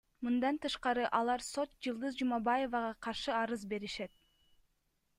Мындан тышкары алар сот Жылдыз Жумабаевага каршы арыз беришет.